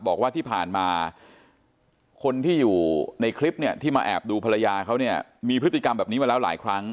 บอกว่าที่ผ่านมาคนที่อยู่ในคลิปเนี่ยที่มาแอบดูภรรยาเขาเนี่ยมีพฤติกรรมแบบนี้มาแล้วหลายครั้ง